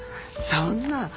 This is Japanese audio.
そんな！